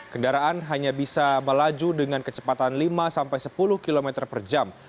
kendaraan hanya bisa melaju dengan kecepatan lima sampai sepuluh km per jam